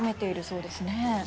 そうですね。